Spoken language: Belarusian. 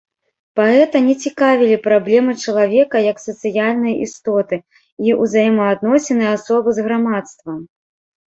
Паэта не цікавілі праблемы чалавека як сацыяльнай істоты і ўзаемаадносіны асобы з грамадствам.